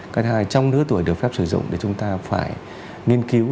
cái hai trong nửa tuổi được phép sử dụng để chúng ta phải nghiên cứu